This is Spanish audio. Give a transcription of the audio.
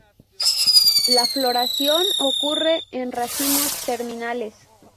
La floración ocurre en racimos terminales.